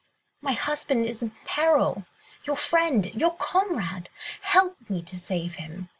... my husband is in peril ... your friend!—your comrade!—Help me to save him."